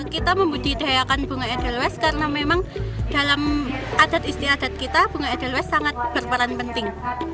kita membudidayakan bunga edelweiss karena memang dalam adat istiadat kita bunga edelweiss sangat berperan penting